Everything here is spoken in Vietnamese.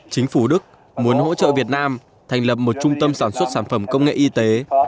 chính phủ đức muốn hỗ trợ việt nam thành lập một trung tâm sản xuất sản phẩm công nghệ y tế